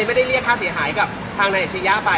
สำหรับการขอโทษของค้าเค้าจะใส่เขียนได้ไหม